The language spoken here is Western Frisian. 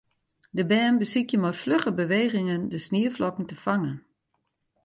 De bern besykje mei flugge bewegingen de snieflokken te fangen.